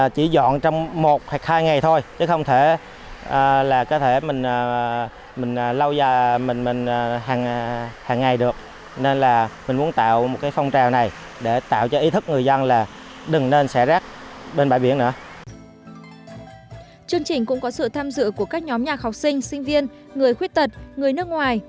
chương trình cũng có sự tham dự của các nhóm nhà học sinh sinh viên người khuyết tật người nước ngoài